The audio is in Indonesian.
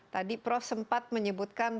tadi prof sempat menyebutkan